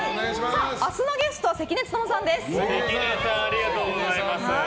明日のゲストは関根勤さんです。